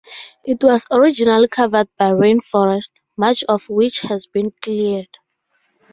It was originally covered by rainforest, much of which has been cleared.